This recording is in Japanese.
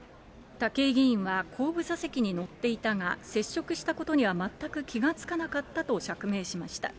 武井議員は後部座席に乗っていたが、接触したことには全く気が付かなかったと釈明しました。